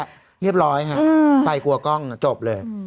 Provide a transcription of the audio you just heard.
เบ้อเหียบร้อยฮะไปกลัวกล้องจบเลย